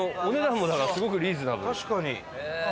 確かに。